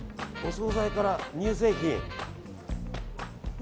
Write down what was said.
お総菜から乳製品。